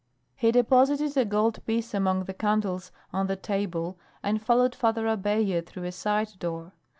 He deposited a gold piece among the candles on the table and followed Father Abella through a side door.